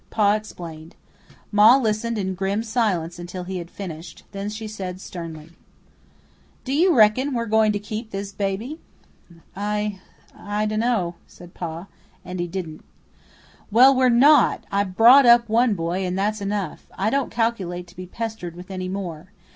Pa explained. Ma listened in grim silence until he had finished. Then she said sternly: "Do you reckon we're going to keep this baby?" "I I dunno," said Pa. And he didn't. "Well, we're NOT. I brought up one boy and that's enough. I don't calculate to be pestered with any more.